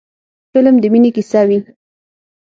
فلم د مینې کیسه وي